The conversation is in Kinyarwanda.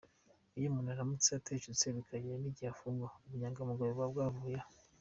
Iyo umuntu aramutse ateshutseho bikagera n’igihe afungwa, ubunyangamugayo buba bwavuyeho.